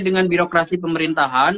dengan birokrasi pemerintahan